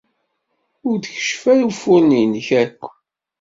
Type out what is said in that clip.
Ur d-keccef ara ufuren-nnek akk.